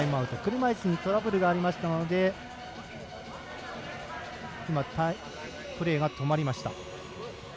車いすにトラブルがありましたのでプレーが止まりました。